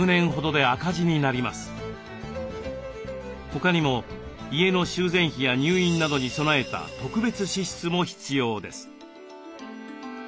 他にも家の修繕費や入院などに備えた特別支出も必要です。